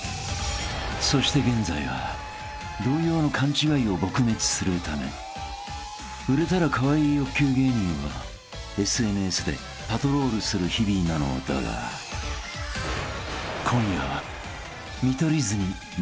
［そして現在は同様の勘違いを撲滅するため売れたらカワイイ欲求芸人をＳＮＳでパトロールする日々なのだが今夜は見取り図に狙いを定めた］